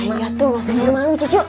iya tuh masa baru malu cucu yuk